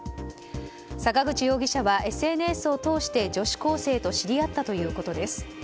坂口容疑者はＳＮＳを通して女子高生と知り合ったということです。